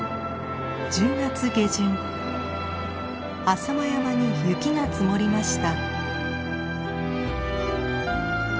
浅間山に雪が積もりました。